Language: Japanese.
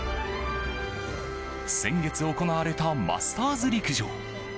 先月行われたマスターズ陸上。